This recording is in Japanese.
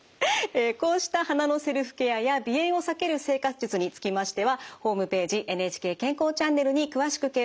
こうした鼻のセルフケアや鼻炎を避ける生活術につきましてはホームページ「ＮＨＫ健康チャンネル」に詳しく掲載されています。